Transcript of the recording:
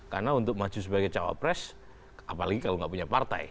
karena untuk maju sebagai capres apalagi kalau tidak punya partai